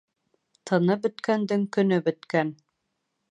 Тыны бөткәндең көнө бөткән.